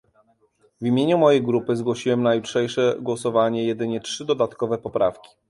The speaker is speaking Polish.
W imieniu mojej grupy zgłosiłem na jutrzejsze głosowanie jedynie trzy dodatkowe poprawki